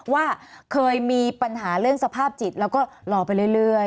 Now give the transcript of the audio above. ว่าเคยมีปัญหาเรื่องสภาพจิตแล้วก็รอไปเรื่อย